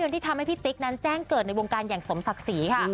ที่ทำให้พี่ติ๊กนั้นแจ้งเกิดในวงการอย่างสมศักดิ์ศรีค่ะ